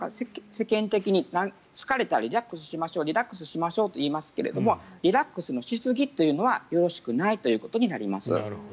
世間的に疲れたらリラックスしましょうリラックスしましょうといいますけれどもリラックスのしすぎというのはよろしくないということになります。